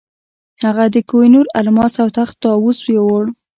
هغه د کوه نور الماس او تخت طاووس یووړ.